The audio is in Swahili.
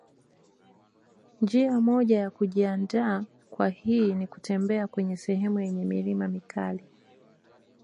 Njia moja ya kujiandaa kwa hii nikutembea kwenye sehemu yenye milima mikali